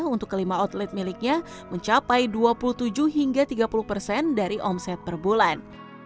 untuk kelima outlet miliknya mencapai dua puluh tujuh hingga tiga puluh persen dari omset per bulan